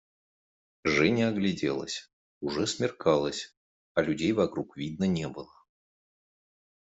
Женя огляделась: уже смеркалось, а людей вокруг видно не было.